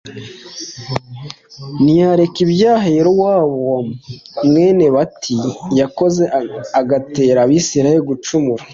ntiyareka ibyaha Yerobowamu mwene Nebati yakoze agatera Abisirayeli gucumura